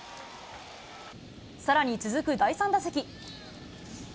さらに続く第３打席。